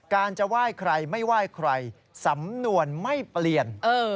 การจะว่ายใครไม่ว่ายใครสำนวนไม่เปลี่ยน